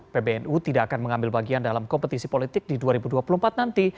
pbnu tidak akan mengambil bagian dalam kompetisi politik di dua ribu dua puluh empat nanti